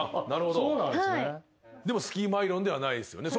でもスキームアイロンではないですよね。